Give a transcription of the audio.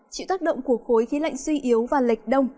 chịu tác động của khối khí lạnh suy yếu và lệch đông